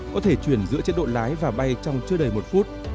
có thể chuyển giữa chế độ lái và bay trong chưa đầy một phút